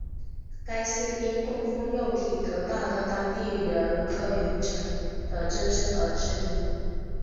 该寺因供奉肉身得道的当地人柯云尘的真身而知名。